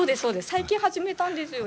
最近始めたんですよ。